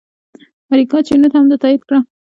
اریکا چینوت هم دا تایید کړه.